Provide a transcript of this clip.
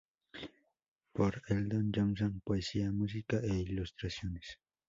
Þór Eldon Jonson, poesía, música e ilustraciones.